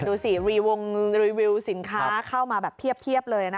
ดูสิรีวงรีวิวสินค้าเข้ามาแบบเพียบเลยนะ